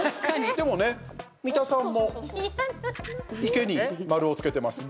でもね、三田さんも「いけ」に丸をつけてますが。